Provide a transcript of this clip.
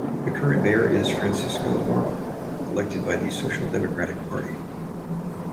The current Mayor is Francisco Amaral, elected by the Social Democratic Party.